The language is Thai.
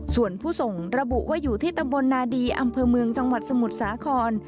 ส่วนผู้ส่งระบุว่าอยู่ที่ตำบลนาดีอำเภอเมืองจังหวัดสมุทรสาคร